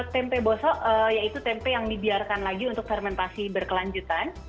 tempe bosok yaitu tempe yang dibiarkan lagi untuk fermentasi berkelanjutan